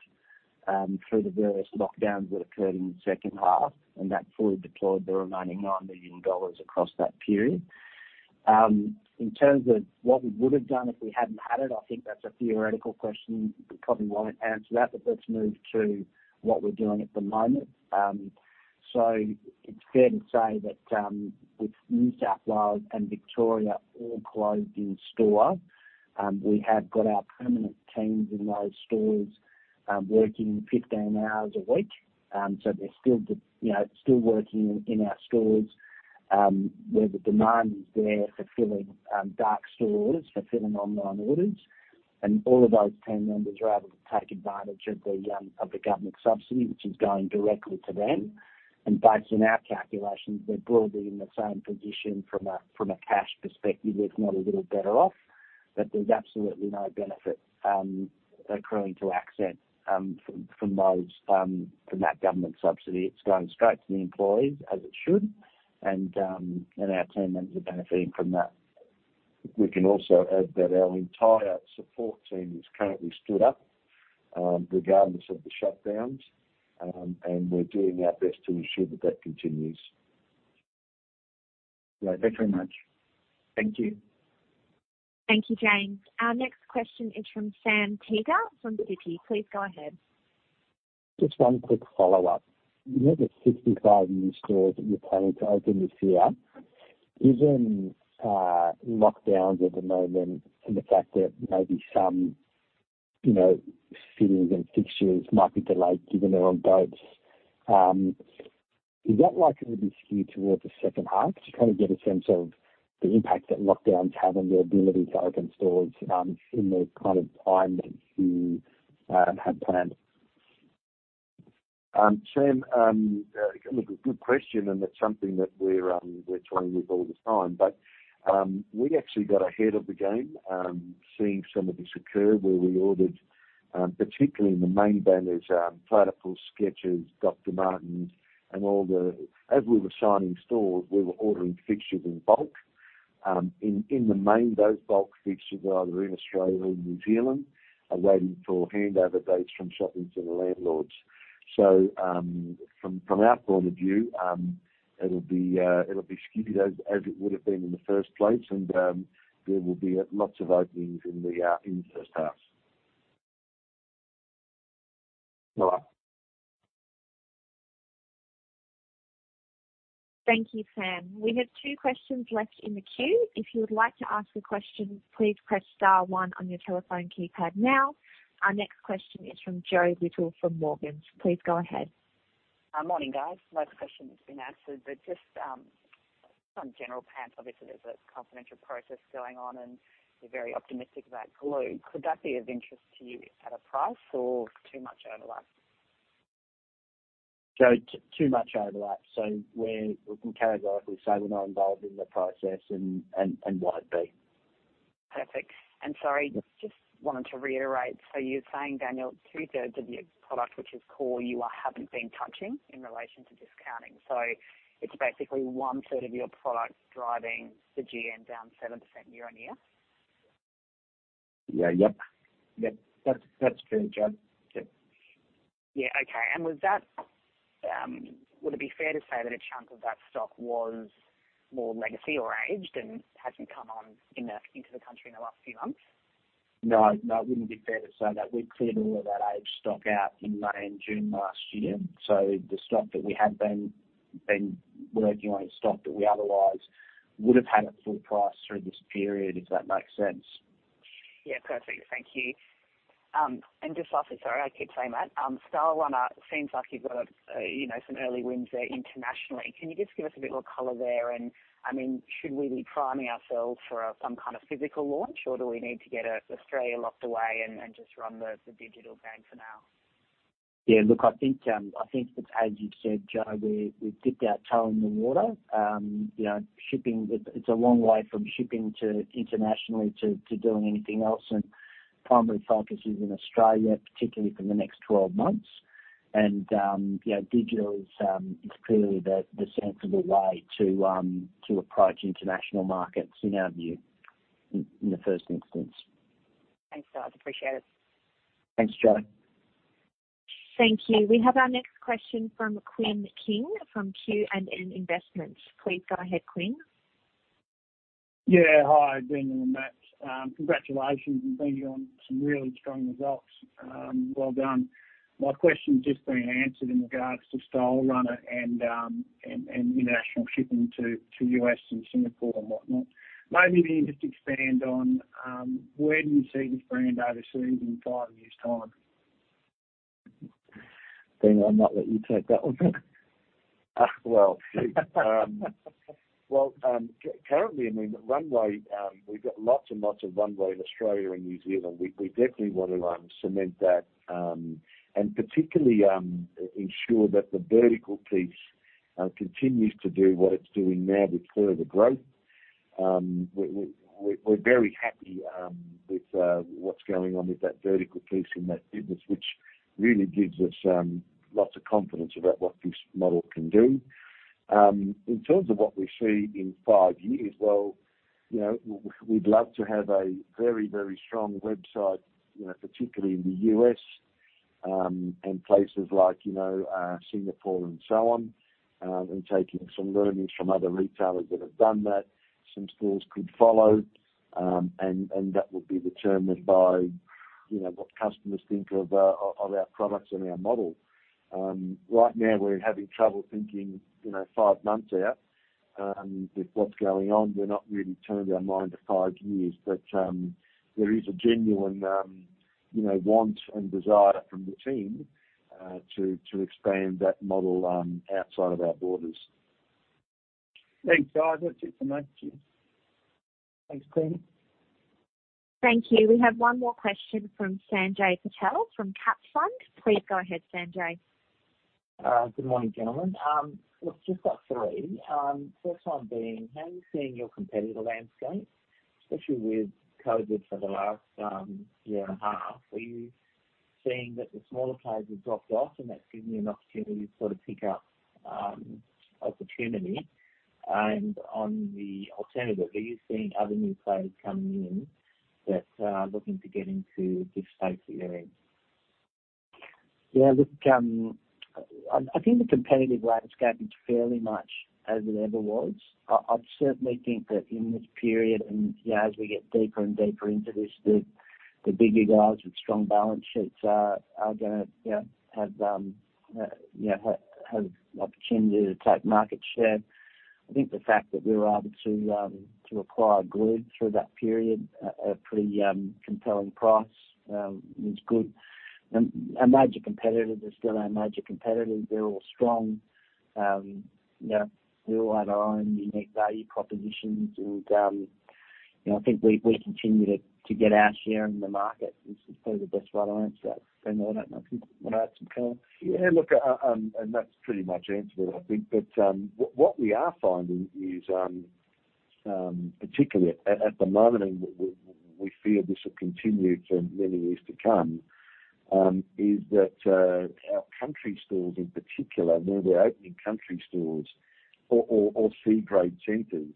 through the various lockdowns that occurred in the second half, and that fully deployed the remaining 9 million dollars across that period. In terms of what we would've done if we hadn't had it, I think that's a theoretical question. We probably won't answer that. Let's move to what we're doing at the moment. It's fair to say that with New South Wales and Victoria all closed in store, we have got our permanent teams in those stores, working 15 hours a week. They're still working in our stores, where the demand is there for filling dark store orders, fulfilling online orders. All of those team members are able to take advantage of the government subsidy, which is going directly to them. Based on our calculations, we're broadly in the same position from a cash perspective, if not a little better off. There's absolutely no benefit accruing to Accent from that government subsidy. It's going straight to the employees, as it should, and our team members are benefiting from that. We can also add that our entire support team is currently stood up, regardless of the shutdowns. We're doing our best to ensure that that continues. Great. Thanks very much. Thank you. Thank you, James. Our next question is from Sam Teeger from Citi. Please go ahead. One quick follow-up. You have the 65 new stores that you're planning to open this year. Given lockdowns at the moment and the fact that maybe some fittings and fixtures might be delayed given they're on boats, is that likely to be skewed towards the second half? Trying to get a sense of the impact that lockdowns have on your ability to open stores in the kind of time that you had planned. Sam, look, a good question. It's something that we're toying with all the time. We actually got ahead of the game, seeing some of this occur, where we ordered, particularly in the main banners, Platypus, Skechers, Dr. Martens. As we were signing stores, we were ordering fixtures in bulk. In the main, those bulk fixtures are either in Australia or New Zealand, are waiting for handover dates from shopping center landlords. From our point of view, it'll be skewed as it would've been in the first place. There will be lots of openings in the first half. All right. Thank you, Sam. We have two questions left in the queue. If you would like to ask a question, please press star one on your telephone keypad now. Our next question is from Jo Little from Morgans. Please go ahead. Morning, guys. My question's been answered, but just on General Pants, obviously there's a confidential process going on, and you're very optimistic about Glue. Could that be of interest to you at a price or too much overlap? Jo, too much overlap. We can categorically say we're not involved in the process and won't be. Perfect. Sorry, just wanted to reiterate. You're saying, Daniel, two-thirds of your product, which is core you haven't been touching in relation to discounting. It's basically one-third of your product driving the GM down 7% year-on-year? Yeah. Yep. That's fair, Jo. Yep. Yeah. Okay. Would it be fair to say that a chunk of that stock was more legacy or aged and hasn't come into the country in the last few months? No, it wouldn't be fair to say that. We'd cleared all of that aged stock out in May and June last year. The stock that we have been working on is stock that we otherwise would've had at full price through this period, if that makes sense. Yeah. Perfect. Thank you. Just lastly, sorry, I keep saying that. Stylerunner seems like you've got some early wins there internationally. Can you just give us a bit more color there? Should we be priming ourselves for some kind of physical launch, or do we need to get Australia locked away and just run the digital thing for now? Yeah. Look, I think it's as you said, Jo, we've dipped our toe in the water. It's a long way from shipping internationally to doing anything else, and primary focus is in Australia, particularly for the next 12 months. Digital is clearly the sensible way to approach international markets, in our view, in the first instance. Thanks, guys. Appreciate it. Thanks, Jo. Thank you. We have our next question from Quinn King from QNN Investments. Please go ahead, Quinn. Yeah. Hi, Daniel and Matthew. Congratulations on being on some really strong results. Well done. My question's just been answered in regards to Stylerunner and international shipping to U.S. and Singapore and whatnot. Maybe if you can just expand on where do you see this brand overseas in five years' time? Daniel, I might let you take that one. Well, currently, I mean, Runway, we've got lots and lots of Runway in Australia and New Zealand. We definitely want to cement that, and particularly ensure that the vertical piece continues to do what it's doing now with further growth. We're very happy with what's going on with that vertical piece in that business, which really gives us lots of confidence about what this model can do. In terms of what we see in five years, well, we'd love to have a very strong website, particularly in the U.S., and places like Singapore and so on, and taking some learnings from other retailers that have done that. Some stores could follow, and that will be determined by what customers think of our products and our model. Right now, we're having trouble thinking five months out with what's going on. We're not really turning our mind to five years. There is a genuine want and desire from the team to expand that model outside of our borders. Thanks, guys. That's it for me. Cheers. Thanks, team. Thank you. We have one more question from Sanjay Patel from CapFund. Please go ahead, Sanjay. Good morning, gentlemen. Look, just got three. First one being, how are you seeing your competitive landscape, especially with COVID for the last year and a half? Are you seeing that the smaller players have dropped off, that's given you an opportunity to sort of pick up opportunity? On the alternative, are you seeing other new players coming in that are looking to get into this space that you're in? Look, I think the competitive landscape is fairly much as it ever was. I certainly think that in this period, and as we get deeper and deeper into this, the bigger guys with strong balance sheets are gonna have the opportunity to take market share. I think the fact that we were able to acquire Glue through that period at a pretty compelling price was good. Major competitors are still our major competitors. They're all strong. We all have our own unique value propositions, and I think we continue to get our share in the market. This is probably the best way to answer that. Ben, I don't know if you want to add some color. Yeah, look, that's pretty much answered it, I think. What we are finding is, particularly at the moment, and we feel this will continue for many years to come, is that our country stores in particular, where we're opening country stores or C-grade centers,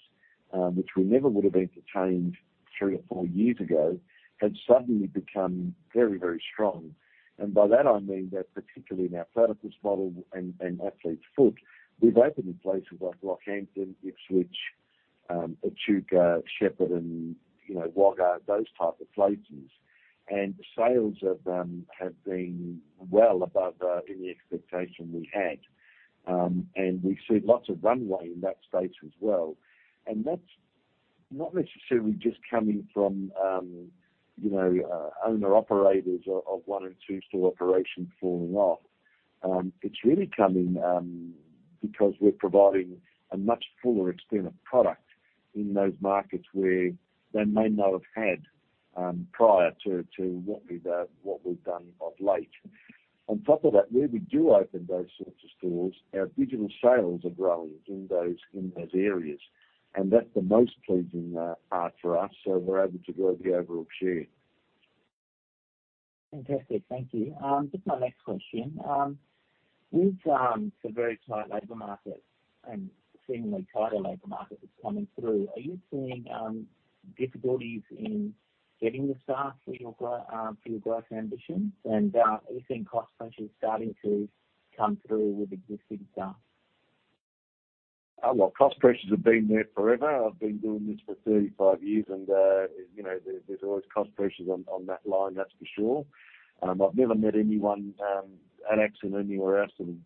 which we never would've entertained three or four years ago, have suddenly become very strong. By that I mean that particularly in our Platypus model and The Athlete's Foot, we've opened in places like Rockhampton, Ipswich, Echuca, Shepparton, Wagga, those type of places. The sales of them have been well above any expectation we had. We see lots of runway in that space as well. That's not necessarily just coming from owner-operators of one or two store operations falling off. It's really coming because we're providing a much fuller extent of product in those markets where they may not have had prior to what we've done of late. On top of that, where we do open those sorts of stores, our digital sales are growing in those areas. That's the most pleasing part for us. We're able to grow the overall share. Fantastic. Thank you. Just my next question. With the very tight labor market and seemingly tighter labor market that's coming through, are you seeing difficulties in getting the staff for your growth ambitions? Are you seeing cost pressures starting to come through with existing staff? Well, cost pressures have been there forever. I've been doing this for 35 years and there's always cost pressures on that line, that's for sure. I've never met anyone at Accent or anywhere else who'd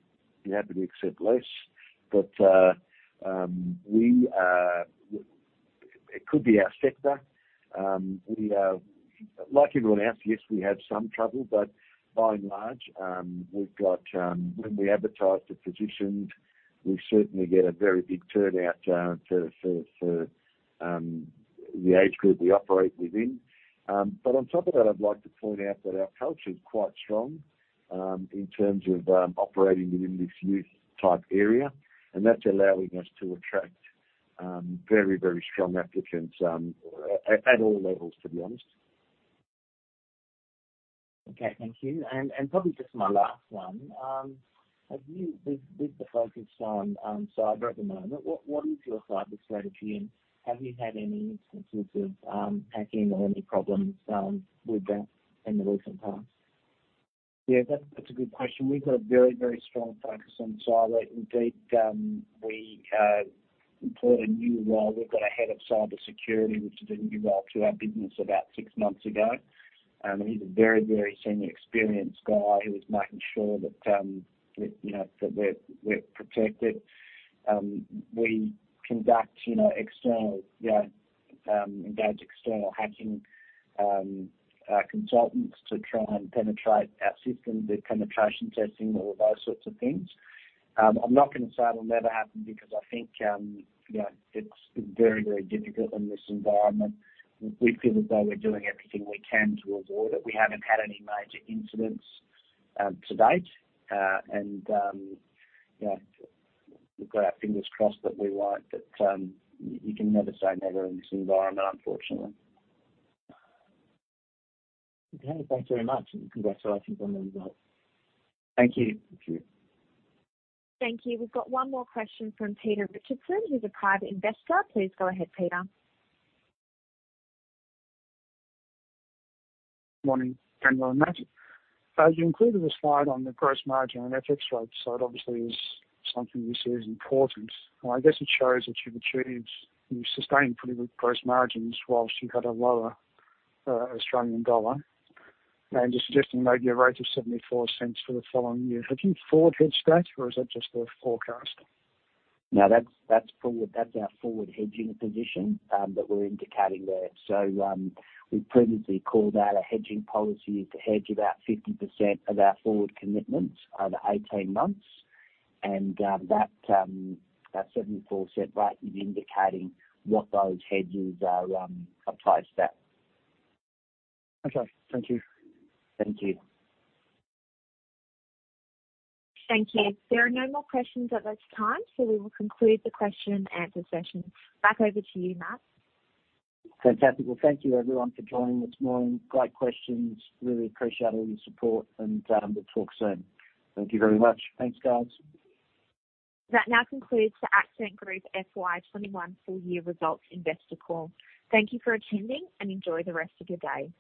be happy to accept less. It could be our sector. Like everyone else, yes, we have some trouble, but by and large, when we advertise the positions, we certainly get a very big turnout for the age group we operate within. On top of that, I'd like to point out that our culture is quite strong in terms of operating within this youth-type area, and that's allowing us to attract very strong applicants at all levels, to be honest. Okay, thank you. Probably just my last one. With the focus on cyber at the moment, what is your cyber strategy, and have you had any instances of hacking or any problems with that in the recent past? Yeah, that's a good question. We've got a very strong focus on cyber. We employed a new role. We've got a head of cybersecurity, which is a new role to our business about six months ago. He's a very senior experienced guy who is making sure that we're protected. We engage external hacking consultants to try and penetrate our systems, do penetration testing, all of those sorts of things. I'm not going to say it'll never happen because I think it's very difficult in this environment. We feel as though we're doing everything we can to avoid it. We haven't had any major incidents to date. We've got our fingers crossed that we won't, but you can never say never in this environment, unfortunately. Okay, thanks very much, and congratulations on the result. Thank you. Thank you. Thank you. We've got one more question from Peter Richardson. He's a private investor. Please go ahead, Peter. Morning, Ben and Matt. You included a slide on the gross margin and FX rate. It obviously is something you see as important. I guess it shows that you've sustained pretty good gross margins whilst you've had a lower Australian dollar. You're suggesting maybe a rate of 0.74 for the following year. Have you forward hedged that or is that just the forecast? No, that's our forward hedging position that we're indicating there. We previously called out a hedging policy to hedge about 50% of our forward commitments over 18 months. That 0.74 rate is indicating what those hedges are priced at. Okay, thank you. Thank you. Thank you. There are no more questions at this time. We will conclude the question and answer session. Back over to you, Matt. Fantastic. Well, thank you everyone for joining this morning. Great questions. Really appreciate all your support and we'll talk soon. Thank you very much. Thanks, guys. That now concludes the Accent Group FY 2021 full year results investor call. Thank you for attending and enjoy the rest of your day.